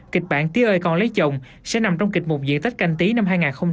kịch bản tía ơi con lấy chồng sẽ nằm trong kịch mục diễn tách canh tí năm hai nghìn hai mươi